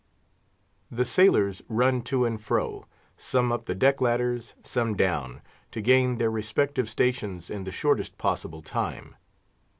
The sailors run to and fro some up the deck ladders, some down—to gain their respective stations in the shortest possible time.